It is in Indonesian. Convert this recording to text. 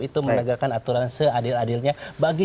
itu menegakkan aturan seadil adilnya bagi